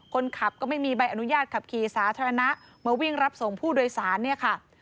คนขับก็ไม่มีใบอนุญาตขับขี่สาธารณะมาวิ่งรับส่งผู้โดยสารเนี่ยค่ะ